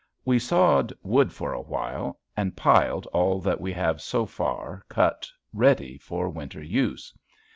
We sawed wood for a while and piled all that we have so far cut ready for winter use.